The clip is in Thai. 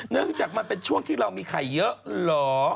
จากมันเป็นช่วงที่เรามีไข่เยอะเหรอ